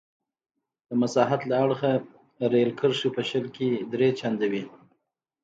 د مساحت له اړخه رېل کرښې په شل کې درې چنده وې.